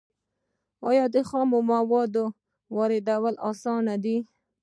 آیا د خامو موادو واردول اسانه دي؟